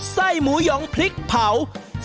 ไส้หมูหยองพริกเผา